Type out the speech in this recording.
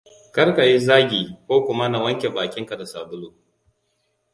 Kar ka yi zagi ko kuma na wanke bakinka da sabulu.